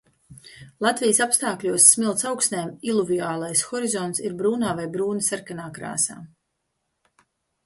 Latvijas apstākļos smilts augsnēm iluviālais horizonts ir brūnā vai brūni sarkanā krāsā.